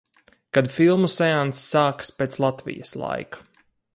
Kad filmu seansi sākas pēc Latvijas laika.